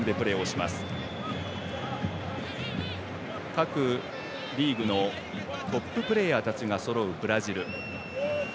各リーグのトッププレーヤーたちがそろうブラジル。